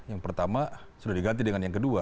yang pertama sudah diganti dengan yang kedua